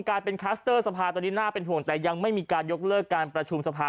กลายเป็นคลัสเตอร์สภาตอนนี้น่าเป็นห่วงแต่ยังไม่มีการยกเลิกการประชุมสภา